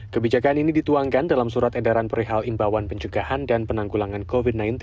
kebijakan ini dituangkan dalam surat endaran perihal imbawan penyegahan dan penanggulangan covid sembilan belas